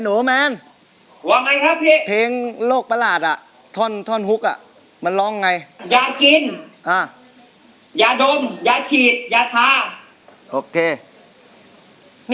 หลังจากร้องไปแล้ว